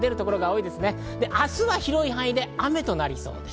明日は広い範囲で雨となりそうです。